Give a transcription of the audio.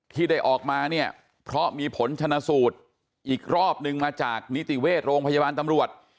ที่ได้ออกมาเนี่ยเพราะมีผลชนะสูตรอีกรอบนึงมาจากนิติเวชโรงพยาบาลตำรวจ